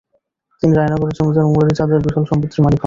তিনি রায়নগরের জমিদার মুরারীচাঁদের বিশাল সম্পত্তির মালিক হন।